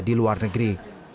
di luar negeri